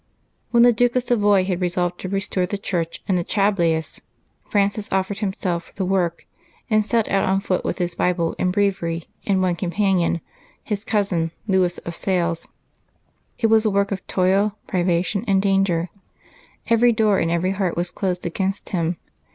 When the Duke of Savoy had resolved to restore the Church in the Chablais, Francis offered himself for the work, and set out on foot with his Bible and breviary and one companion, his cousin Louis of Sales. It was a work of toil, privation, and danger. Every door and ever}^ heart was closed against him.